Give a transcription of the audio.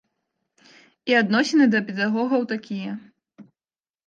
І адносіны да педагогаў такія.